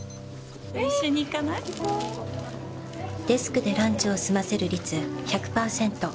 デスクでランチを済ませる率１００％。